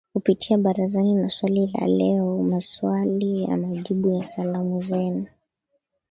Kupitia ‘Barazani’ na ‘Swali la Leo’, 'Maswali na Majibu', na 'Salamu Zenu.'